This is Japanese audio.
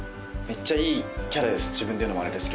めっちゃいいキャラです